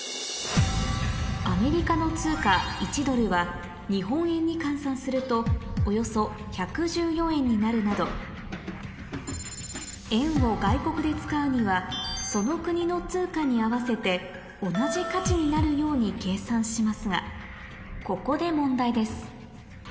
アメリカの通貨１ドルは日本円に換算するとおよそ１１４円になるなど円を外国で使うにはその国の通貨に合わせて同じ価値になるように計算しますがここで問題です